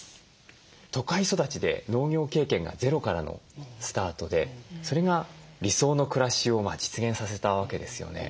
都会育ちで農業経験がゼロからのスタートでそれが理想の暮らしを実現させたわけですよね。